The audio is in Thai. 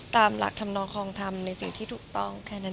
ตามหลักธรรมนองคลองธรรมในสิ่งที่ถูกต้องแค่นั้น